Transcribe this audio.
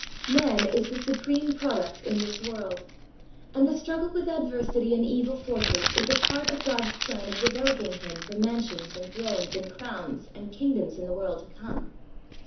M an is the supreme product in this world, and the struggle with adversity and evil forces is a part of God's plan of developing him for mansions and thrones and crowns and kingdoms in the world to come.